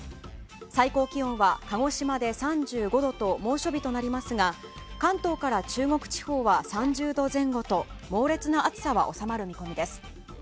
最高気温は鹿児島で３５度と猛暑日となりますが関東から中国地方は３０度前後と猛烈な暑さは収まる見込みです。